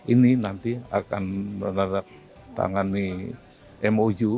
ini nanti akan menerap tangani mou